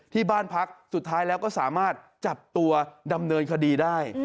ที่บ้านพักสุดท้ายแล้วก็สามารถจับตัวดำเนินคดีได้